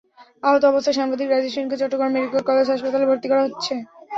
আহত অবস্থায় সাংবাদিক রাজীব সেনকে চট্টগ্রাম মেডিকেল কলেজ হাসপাতালে ভর্তি করা হয়েছে।